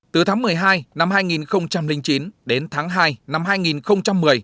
từ tháng một mươi hai năm hai nghìn chín đến tháng hai năm hai nghìn một mươi